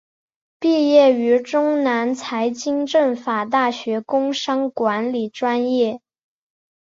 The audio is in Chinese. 毕业于中南财经政法大学工商管理专业。